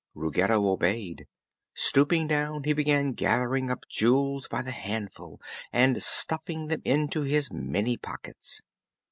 Ruggedo obeyed. Stooping down, he began gathering up jewels by the handful and stuffing them into his many pockets.